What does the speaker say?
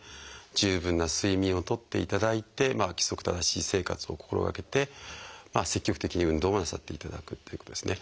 十分な睡眠をとっていただいて規則正しい生活を心がけて積極的に運動をなさっていただくということですね。